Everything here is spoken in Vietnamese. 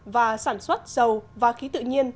và sản xuất dầu và khí tự nhiên